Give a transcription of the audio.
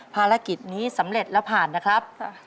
ภารกิจนี้สำเร็จแล้วผ่านนะครับ